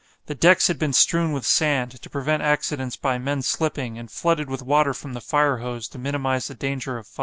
The decks had been strewn with sand, to prevent accidents by men slipping, and flooded with water from the fire hose to minimize the danger of fire.